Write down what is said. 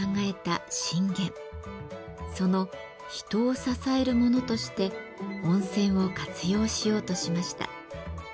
その人を支えるものとして温泉を活用しようとしました。